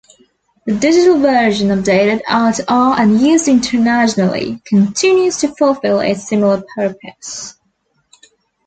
The digital version, updated hour-to-hour, and used internationally, continues to fulfil a similar purpose.